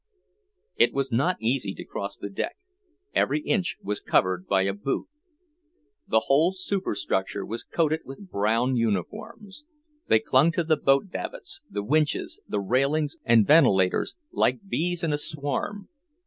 It was not easy to cross the deck; every inch was covered by a boot. The whole superstructure was coated with brown uniforms; they clung to the boat davits, the winches, the railings and ventilators, like bees in a swarm.